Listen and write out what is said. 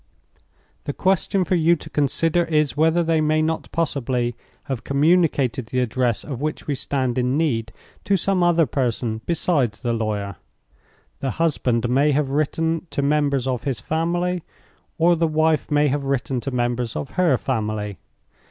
"The question for you to consider is, whether they may not possibly have communicated the address of which we stand in need to some other person besides the lawyer. The husband may have written to members of his family, or the wife may have written to members of her family.